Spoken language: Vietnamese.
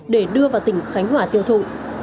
để đưa vào tỉnh khánh hòa tiêu thụ